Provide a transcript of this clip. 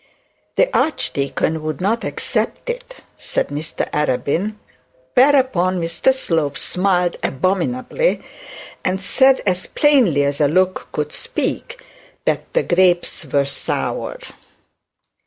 'The archdeacon would not accept it,' said Mr Arabin; whereupon Mr Slope smiled abominably, and said, as plainly as a look could speak, that the grapes were sour.